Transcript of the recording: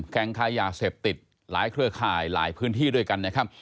ค้ายาเสพติดหลายเครือข่ายหลายพื้นที่ด้วยกันนะครับ